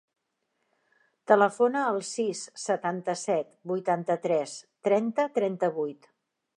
Telefona al sis, setanta-set, vuitanta-tres, trenta, trenta-vuit.